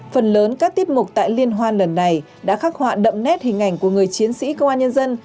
phần lớn các tiết mục tại liên hoan lần này đã khắc họa đậm nét hình ảnh của người chiến sĩ công an nhân dân